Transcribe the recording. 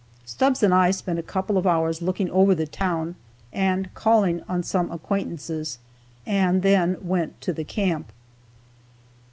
Stubbs and I spent a couple of hours looking over the town and calling on some acquaintances and then went to the camp.